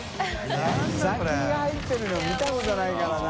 いイサキが入ってるの見たことないからな。